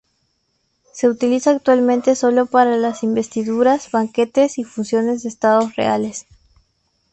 Se utiliza actualmente solo para las investiduras, banquetes y funciones de Estado reales.